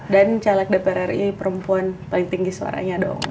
dan caleg dpr ri perempuan paling tinggi suaranya dong